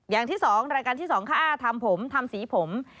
อย่างที่๒รายการที่๒ค่าทำผมทำสีผม